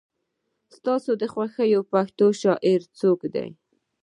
ستا د خوښې پښتو شاعر څوک دی؟